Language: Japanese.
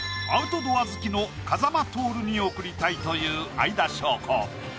アウトドア好きの風間トオルに送りたいという相田翔子。